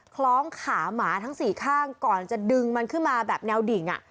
คล้องขาหมาทั้งสี่ข้างก่อนจะดึงมันขึ้นมาแบบแนวดิ่ง